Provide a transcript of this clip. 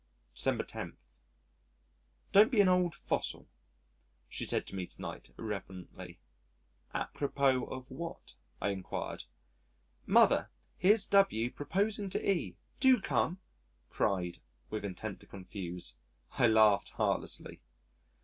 December 10. "Don't be an old fossil," she said to me to night, irrelevantly. "A propos of what?" I inquired. "Mother, here's W proposing to E ! Do come," cried , with intent to confuse. I laughed heartlessly.